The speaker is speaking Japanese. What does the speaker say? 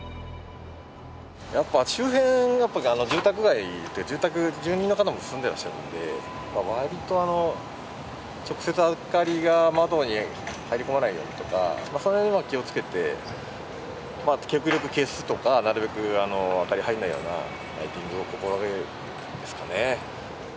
やっぱ周辺が住宅街で住宅住民の方も住んでいらっしゃるので割と直接明かりが窓に入り込まないようにとかその辺は気をつけて極力消すとかなるべく明かりが入らないようなライティングを心がけるですかね。